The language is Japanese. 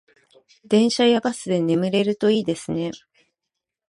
電車やバスで眠れるといいですね